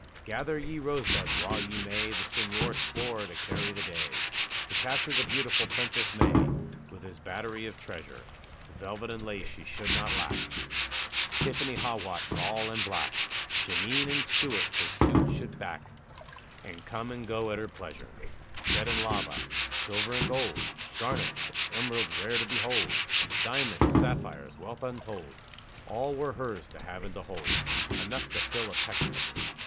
"Gather ye rosebuds while ye may!" The Señor swore to carry the day, To capture the beautiful Princess May, With his battery of treasure; Velvet and lace she should not lack; Tiffany, Haughwout, Ball & Black, Genin and Stewart his suit should back, And come and go at her pleasure; Jet and lava silver and gold Garnets emeralds rare to behold Diamonds sapphires wealth untold All were hers, to have and to hold: Enough to fill a peck measure!